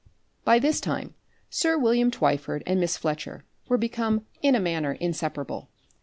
By this time sir William Twyford and Miss Fletcher were become in a manner inseparable.